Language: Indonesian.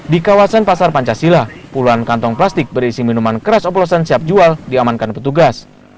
di kawasan pasar pancasila puluhan kantong plastik berisi minuman keras oplosan siap jual diamankan petugas